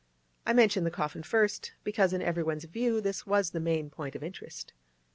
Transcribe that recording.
I mention the coffin first, because in everyone's view this was the main point of interest.